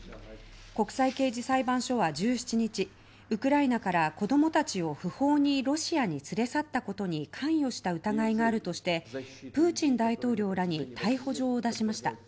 国際刑事裁判所は１７日ウクライナから子供たちを不法にロシアに連れ去ったことに関与した疑いがあるとしてプーチン大統領らに逮捕状を出しました。